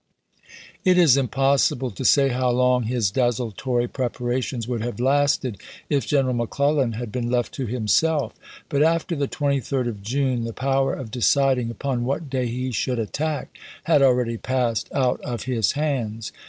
It is impossible to say how long his desultory 1862. preparations would have lasted if General McClellan had been left to himself ; but after the 23d of June, the power of deciding upon what day he should at tack had already passed out of his hands.